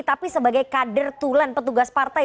tapi sebagai kader tulen petugas partai